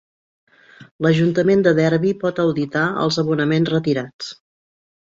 L"ajuntament de Derby pot auditar els abonaments retirats.